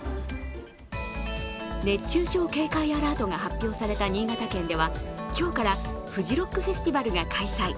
熱中症警戒アラートが発表された新潟県では今日からフジロックフェスティバルが開催。